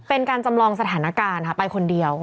เป็นการจำลองสถานการณ์ค่ะไปคนเดียว